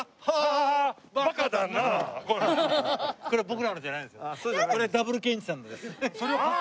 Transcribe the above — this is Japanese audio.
これ僕らのじゃないんですよ。